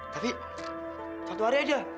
tapi satu hari aja